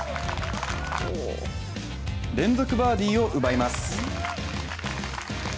連続バーディーを奪います。